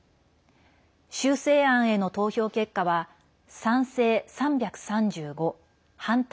修正案への投票結果は賛成３３５、反対